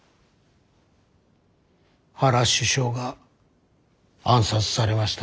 原首相が暗殺されました。